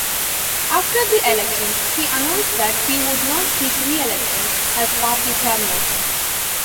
After the elections he announced that he would not seek re-election as party chairman.